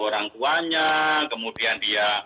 orang tuanya kemudian dia